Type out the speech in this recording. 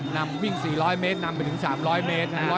นำวิ่ง๔๐๐เมตรนำไปถึง๓๐๐เมตร